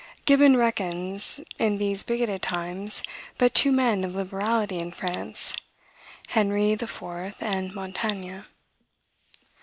Gibbon reckons, in these bigoted times, but two men of liberality in France, Henry IV. and Montaigne.